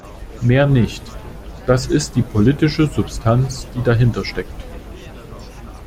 Mehr nicht. Das ist die politische Substanz, die dahinter steckt.